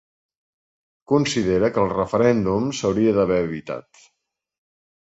Considera que el referèndum “s’havia d’haver evitat”.